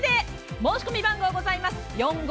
申込番号ございます。